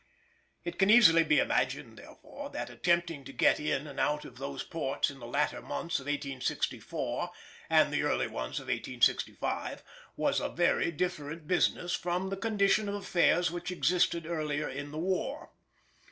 It can easily be imagined, therefore, that attempting to get in and out of those ports in the latter months of 1864 and the early ones of 1865 was a very different business from the condition of affairs which existed earlier in the war.